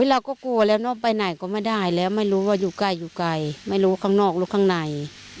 เราก็กลัวแล้วเนอะไปไหนก็ไม่ได้แล้วไม่รู้ว่าอยู่ใกล้อยู่ไกลไม่รู้ข้างนอกหรือข้างใน